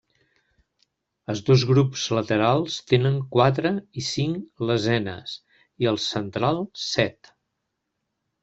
Els dos grups laterals tenen quatre i cinc lesenes i el central, set.